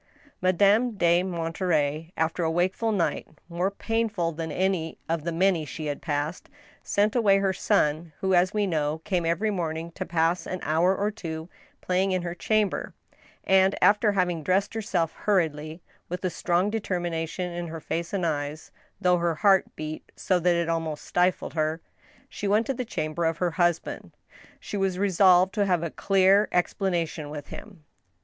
Madame de Monterey, after a wakeful night, more painful than any of the many she had passed, sent away her son, who, as we know, came every morning to pass an hour or two playing in her chamber, and, after having dressed herself hurriedly, with strong determination in her face and eyes (though her heart beat so that it almost stifled her), she went to the chamber of her husband. She was resolved to have a clear explanation with him.